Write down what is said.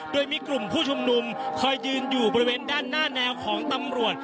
โดยมีกลุ่มผู้ชุมนุมคอยยืนอยู่บริเวณด้านหน้าแนวของตำรวจ